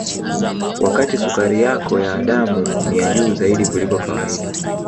wakati sukari yako ya damu ni ya juu zaidi kuliko kawaida